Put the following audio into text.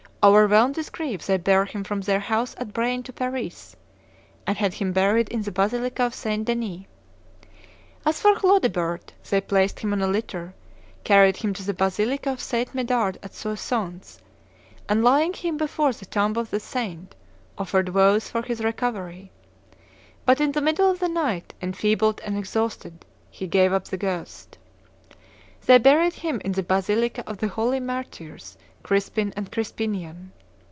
Overwhelmed with grief, they bare him from their house at Braine to Paris, and had him buried in the basilica of St. Denis. As for Chlodebert, they placed him on a litter, carried him to the basilica of St. Medard at Soissons, and, laying him before the tomb of the saint, offered vows for his recovery; but in the middle of the night, enfeebled and exhausted, he gave up the ghost. They buried him in the basilica of the holy martyrs Crispin and Crispinian.